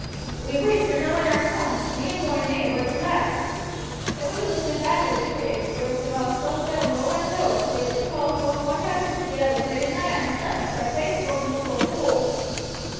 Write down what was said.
"We waits, but no one else cooms; me and moi mate war t' last. Then we goes to t' back of the cave, whar t' rock sloped down lower and lower till we had to crawl along one arter t'other pretty nigh on our stomachs, like raats going into a hole.